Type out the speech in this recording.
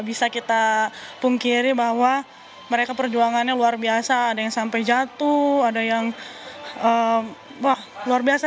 bisa kita pungkiri bahwa mereka perjuangannya luar biasa ada yang sampai jatuh ada yang wah luar biasa